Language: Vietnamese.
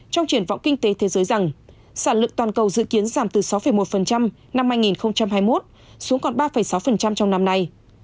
trong triển vọng kinh tế thế giới rằng sản lượng toàn cầu dự kiến giảm từ sáu một năm hai nghìn hai mươi một xuống còn ba sáu trong năm nay